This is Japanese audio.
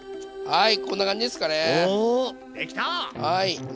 はい。